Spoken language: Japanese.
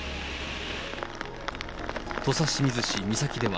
土佐清水市三崎では、